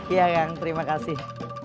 iya kang terima kasih